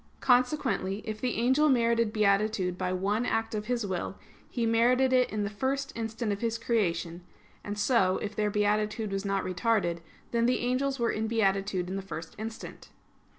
Consequently, if the angel merited beatitude by one act of his will, he merited it in the first instant of his creation; and so, if their beatitude was not retarded, then the angels were in beatitude in the first instant.